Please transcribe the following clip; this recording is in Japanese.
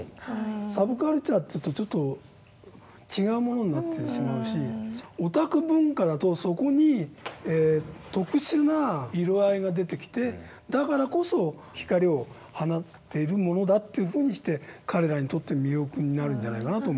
「サブカルチャー」と言うとちょっと違うものになってしまうし「オタク文化」だとそこに特殊な色合いが出てきてだからこそ光を放っているものだというふうにして彼らにとって魅力になるんじゃないかなと思うんですけどね。